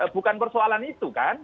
bukan persoalan itu kan